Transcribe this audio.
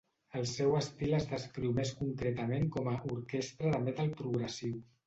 El seu estil es descriu més concretament com a "Orquestra de metal progressiu".